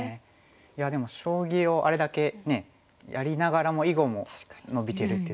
いやでも将棋をあれだけねえやりながらも囲碁も伸びてるっていうところが。